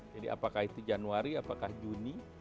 jadi apakah itu januari apakah juni